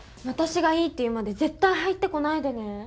私がいいって言うまで絶対入ってこないでね。